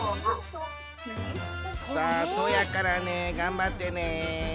さあ「と」やからねがんばってね。